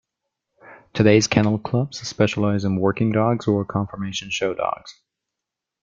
Today's kennel clubs specialize in working dogs or conformation show dogs.